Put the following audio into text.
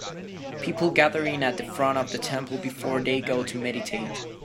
People gathering at the front of the temple before they go to meditate.